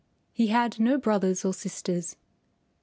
He had no brothers or sisters.